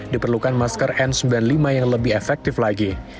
diperlukan masker n sembilan puluh lima yang lebih efektif lagi